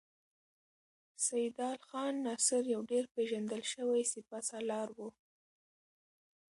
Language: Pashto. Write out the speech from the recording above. سیدال خان ناصر یو ډېر پیژندل شوی سپه سالار و.